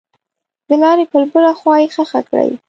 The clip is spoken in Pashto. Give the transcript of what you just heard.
دلارې پر بله خوا یې ښخه کړئ.